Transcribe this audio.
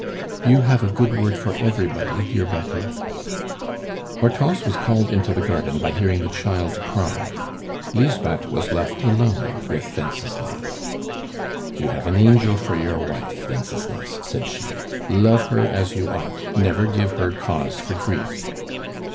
"You have a good word for everybody, dear Betty " Hortense was called into the garden by hearing the child cry; Lisbeth was left alone with Wenceslas. "You have an angel for your wife, Wenceslas!" said she. "Love her as you ought; never give her cause for grief."